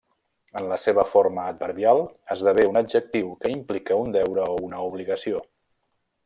En la seva forma adverbial esdevé un adjectiu que implica un deure o una obligació.